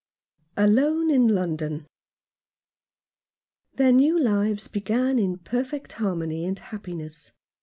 ALONE IN LONDON. Their new lives began in perfect harmony and happiness.